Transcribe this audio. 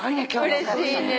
うれしいね。